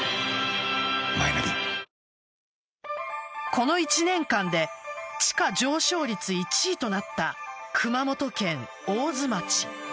この１年間で地価上昇率１位となった熊本県大津町。